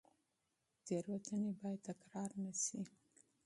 تېروتنې باید تکرار نه شي.